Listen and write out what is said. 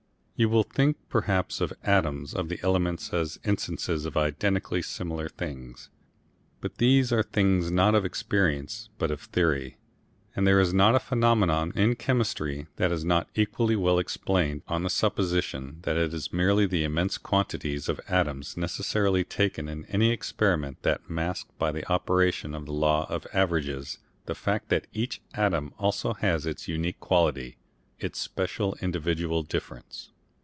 You will think perhaps of atoms of the elements as instances of identically similar things, but these are things not of experience but of theory, and there is not a phenomenon in chemistry that is not equally well explained on the supposition that it is merely the immense quantities of atoms necessarily taken in any experiment that mask by the operation of the law of averages the fact that each atom also has its unique quality, its special individual difference.